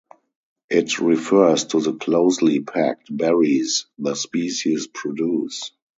It refers to the closely packed berries the species produce.